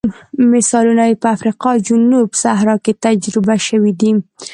مثالونه یې په افریقا جنوب صحرا کې تجربه شوي دي.